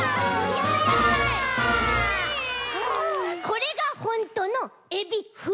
これがホントのエビフライ！